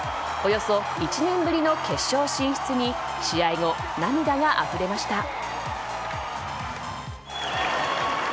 およそ１年ぶりの決勝進出に試合後、涙があふれました。